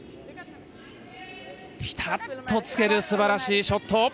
ピタッとつける素晴らしいショット。